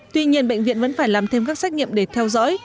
tuy nhiên bệnh viện vẫn phải làm thêm các xét nghiệm để theo dõi